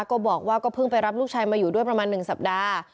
ก็บอกว่าก็เพิ่งไปรับลูกชายมาอยู่ด้วยประมาณ๑สัปดาห์